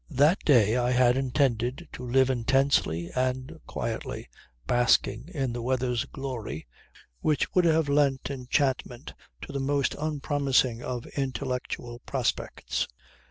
That day I had intended to live intensely and quietly, basking in the weather's glory which would have lent enchantment to the most unpromising of intellectual prospects.